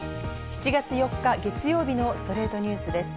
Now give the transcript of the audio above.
７月４日、月曜日の『ストレイトニュース』です。